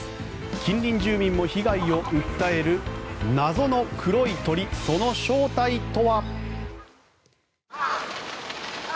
近隣住民も被害を訴える謎の黒い鳥、その正体とは。